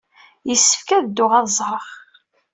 Yessefk ad dduɣ ad t-ẓreɣ.